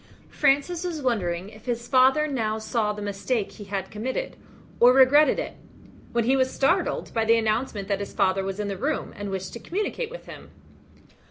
Francis was wondering if his father now saw the mistake he had committed, or regretted it, when he was startled by the announcement that his father was in the room, and wished to communicate with him.